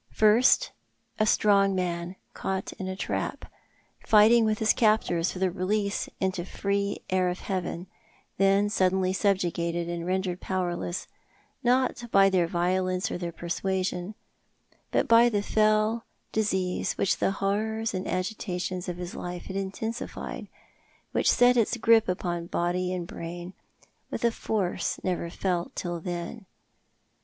First a strong man caught in a trap, fighting with his captors for release into the free air of heaven, then suddenly subjugated and rendered powerless, not by their violence or their persua sion, but by the fell disease which the horrors and agitations of his life had intensified, which set its grip upon body and brain with a force never felt till then.